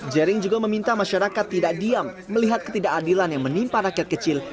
jering juga meminta masyarakat tidak diam melihat ketidakadilan yang menimpa rakyat kecil